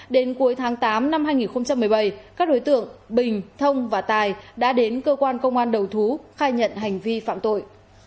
đến cuối tháng tám năm hai nghìn một mươi bảy các đối tượng bình thông và tài đã đến cơ quan công an đầu thú khai nhận hành vi phạm tội